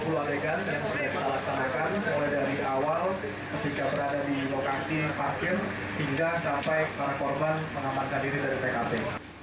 ketika berada di lokasi parkir hingga sampai para korban mengamankan diri dari pkp